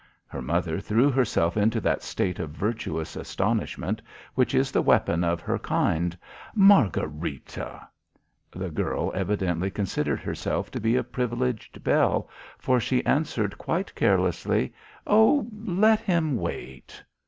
Her mother threw herself into that state of virtuous astonishment which is the weapon of her kind. "Margharita!" The girl evidently considered herself to be a privileged belle, for she answered quite carelessly, "Oh, let him wait."